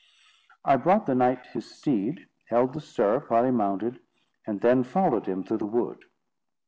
I brought the knight his steed, held the stirrup while he mounted, and then followed him through the wood.